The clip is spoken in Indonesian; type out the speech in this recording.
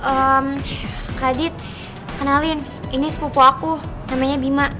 ehm kak adit kenalin ini sepupu aku namanya bima